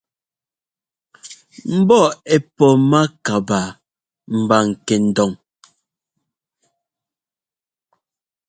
Mbɔ́ ɛ́ pɔ mákabaa mba kɛndon.